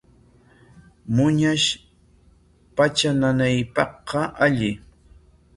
Muñash patra nanaypaqqa alli.